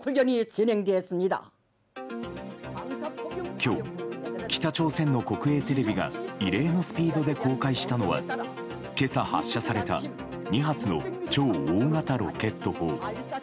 今日、北朝鮮の国営テレビが異例のスピードで公開したのは今朝発射された２発の超大型ロケット砲。